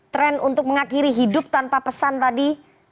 tren untuk mengakhiri hidup tanpa pesan tadi